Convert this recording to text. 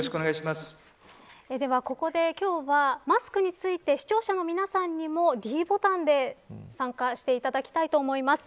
ここで、今日はマスクについて視聴者の皆さんにもｄボタンで参加していただきたいと思います。